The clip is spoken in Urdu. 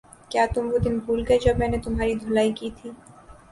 کیا تم وہ دن بھول گئے جب میں نے تمہاری دھلائی کی تھی